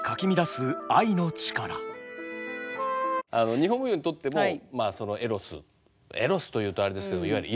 日本舞踊にとってもまあそのエロスエロスというとあれですけどいわゆる色気ですね。